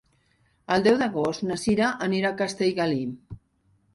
El deu d'agost na Cira anirà a Castellgalí.